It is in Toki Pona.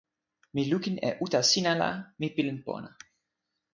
mi lukin e uta sina la mi pilin pona.